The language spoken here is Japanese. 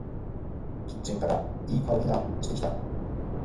キッチンからいい香りがしてきた。